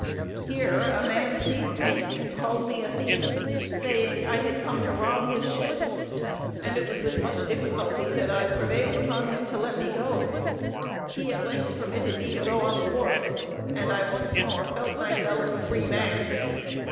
Here a man seized me, and called me a thief, saying I had come to rob his ship; and it was with much difficulty that I prevailed upon him to let me go. He at length permitted me to go on the wharf; and I once more felt myself a freeman.